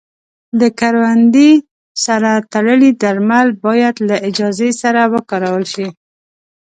د کروندې سره تړلي درمل باید له اجازې سره وکارول شي.